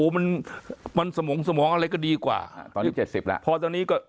มันสมองสมองอะไรก็ดีกว่าตอนตอนนี้สหกี้แล้ว